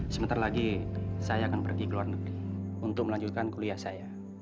sebentar lagi saya akan pergi ke luar negeri untuk melanjutkan kuliah saya